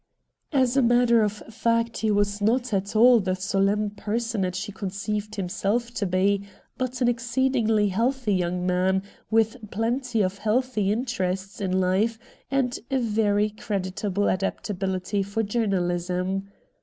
As a matter of fact he was not at all the solemn personage he conceived himself to be, but an exceedingly healthy young man, with plenty of healthy interests in life and a very creditable adaptability for j ournalism.